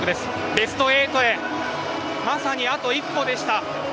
ベスト８へまさにあと一歩でした。